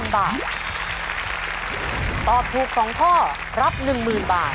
ตอบถูก๒ข้อรับ๑๐๐๐บาท